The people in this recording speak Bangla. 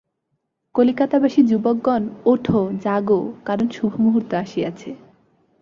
কলিকাতাবাসী যুবকগণ, উঠ, জাগো, কারণ শুভমুহূর্ত আসিয়াছে।